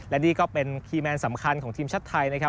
และนี่ก็เป็นคีย์แมนสำคัญของทีมชาติไทยนะครับ